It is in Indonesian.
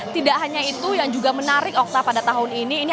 tidak hanya itu yang juga menarik okta pada tahun ini